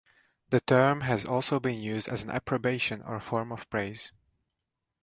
The term has also been used as an approbation or form of praise.